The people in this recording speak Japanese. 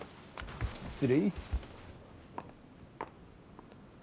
失礼。